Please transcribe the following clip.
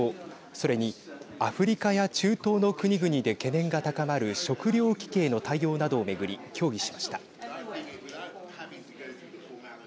それにアフリカや中東の国々で懸念が高まる食料危機への対応などを巡り協議しました。